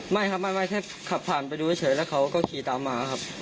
ไม่ครับไม่แค่ขับผ่านไปดูเฉยแล้วเขาก็ขี่ตามมาครับ